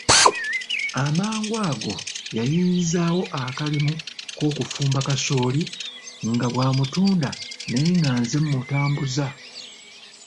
Amangu ago yayiiyizaawo akalimu k'okufumba kasooli nga bw'amutunda naye nga nze mmutambuza.